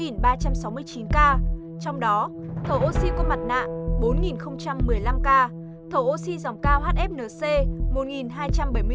trong đó thở oxy có mặt nạ bốn một mươi năm ca thầu oxy dòng cao hfnc một hai trăm bảy mươi ca